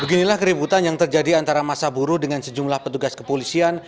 beginilah keributan yang terjadi antara masa buruh dengan sejumlah petugas kepolisian